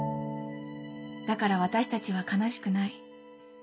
だから私たちは悲しくない。